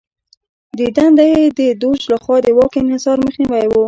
د دنده یې د دوج لخوا د واک انحصار مخنیوی و.